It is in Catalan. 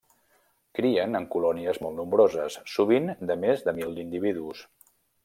Crien en colònies molt nombroses, sovint de més de mil individus.